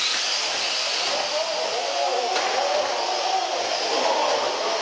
お！